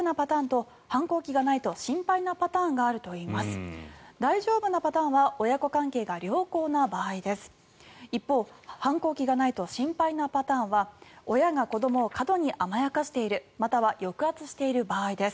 一方、反抗期がないと心配なパターンは親が子どもを過度に甘やかしているまたは抑圧している場合です。